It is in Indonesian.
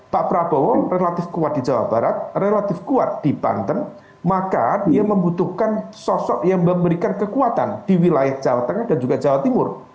pak prabowo relatif kuat di jawa barat relatif kuat di banten maka dia membutuhkan sosok yang memberikan kekuatan di wilayah jawa tengah dan juga jawa timur